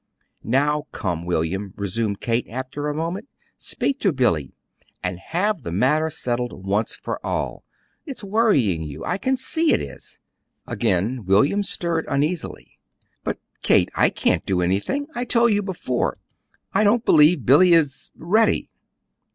"Now come, William," resumed Kate, after a moment; "speak to Billy, and have the matter settled once for all. It's worrying you. I can see it is." Again William stirred uneasily. "But, Kate, I can't do anything. I told you before; I don't believe Billy is ready."